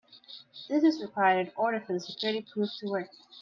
This is required in order for the security proof to work.